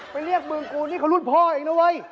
เรียกมึงกูนี่เขารุ่นพ่อเองนะเว้ย